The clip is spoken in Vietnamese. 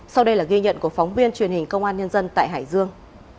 sau đây là ghi nhận của phóng viên truyền hình công an nhân dân tại hải dương